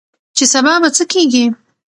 چې سبا به څه کيږي؟